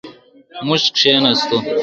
موږ کښېناستو.